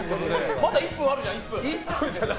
まだ１分あるじゃん。